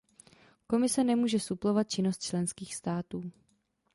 Komise nemůže suplovat činnost členských států.